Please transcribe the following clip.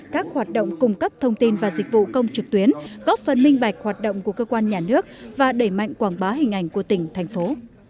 các hoạt động cung cấp thông tin và dịch vụ công trực tuyến góp phần minh bạch hoạt động của cơ quan nhà nước và đẩy mạnh quảng bá hình ảnh của tỉnh thành phố